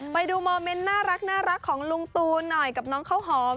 ไปดูโมเมนต์น่ารักของลุงตูนหน่อยกับน้องข้าวหอม